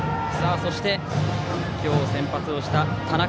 そして、今日先発をした田中。